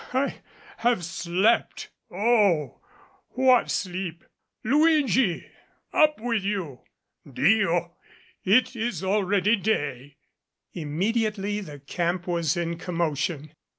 I have slept oh, what sleep! Luigi! Up with you. Diol It is already day." Immediately the camp was in commotion.